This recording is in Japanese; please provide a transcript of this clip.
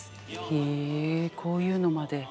へえこういうのまで。